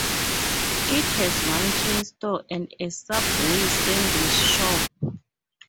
It has one chain store and a Subway Sandwich shop.